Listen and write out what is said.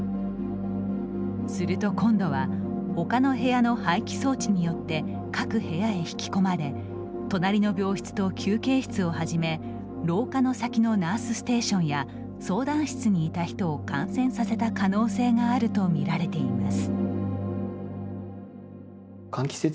すると今度はほかの部屋の排気装置によって各部屋へ引き込まれ隣の病室と休憩室をはじめ廊下の先のナースステーションや相談室にいた人を感染させた可能性があると見られています。